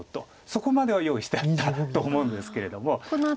そこまでは用意してあったと思うんですけれども。